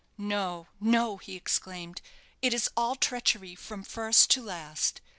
"No no," he exclaimed; "it is all treachery from first to last.